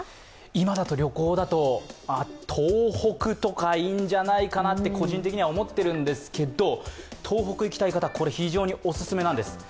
今だと旅行だと、東北とかいいんじゃないかなと個人的には思っているんですけど、東北に行きたい方、これ非常にお勧めなんです。